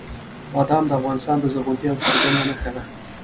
بادام د افغانستان د زرغونتیا یوه څرګنده نښه ده.